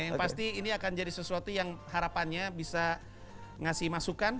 yang pasti ini akan jadi sesuatu yang harapannya bisa ngasih masukan